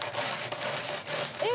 えっ？